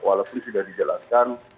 walaupun sudah dijelaskan